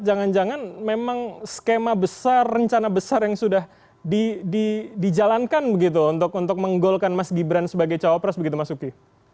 jangan jangan memang skema besar rencana besar yang sudah dijalankan begitu untuk menggolkan mas gibran sebagai cawapres begitu mas uki